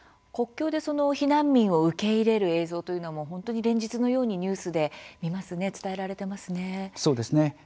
国境で避難民を受け入れる映像というのも本当に連日のようにニュースで見ますね、伝えられていますね。